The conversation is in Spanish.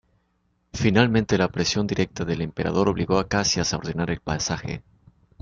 Finalmente la presión directa del emperador obligó a Caxias a ordenar el pasaje.